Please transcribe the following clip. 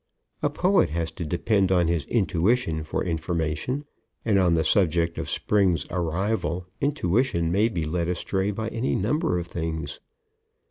A poet has to depend on his intuition for information, and, on the subject of Spring's arrival, intuition may be led astray by any number of things.